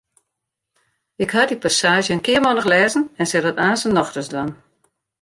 Ik haw dy passaazje in kearmannich lêzen en sil it aanstens noch ris dwaan.